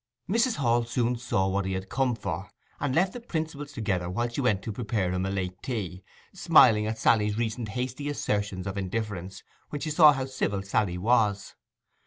Mrs. Hall soon saw what he had come for, and left the principals together while she went to prepare him a late tea, smiling at Sally's recent hasty assertions of indifference, when she saw how civil Sally was.